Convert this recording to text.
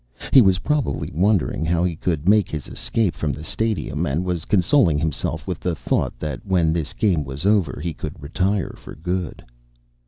He was probably wonder ing how he could make his escape from the stadium, and was consol ing himself with the thought that when this game was over, he could retire for good.